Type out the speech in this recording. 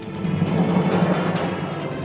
kisah yang ter pixel